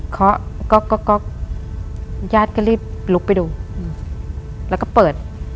เคาะก๊อกญาติก็รีบลุกไปดูแล้วก็เปิด